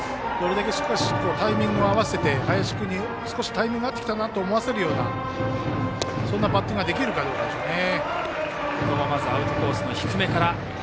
しっかりタイミングを合わせて林君に、少しタイミングが合ってきたなと思わせるようなバッティングができるかどうかでしょうね。